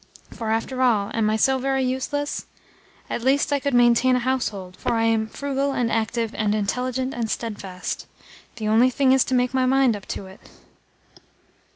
For, after all, am I so very useless? At least I could maintain a household, for I am frugal and active and intelligent and steadfast. The only thing is to make up my mind to it."